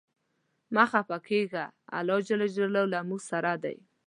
مه خپه کیږه ، الله ج له مونږ سره دی.